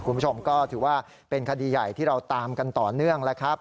คุณผู้ชมก็ถือว่าเป็นคดีใหญ่ที่เราตามกันต่อเนื่องแล้วครับ